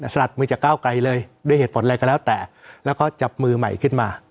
สลัดมือจากก้าวไกลเลยด้วยเหตุผลอะไรก็แล้วแต่แล้วก็จับมือใหม่ขึ้นมา